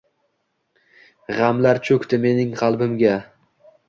Gʻamlar choʻkdi mening qalbimga